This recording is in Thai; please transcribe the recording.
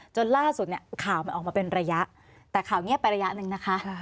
จนล่าสุดเนี่ยข่าวมันออกมาเป็นระยะแต่ข่าวเงียบไประยะหนึ่งนะคะ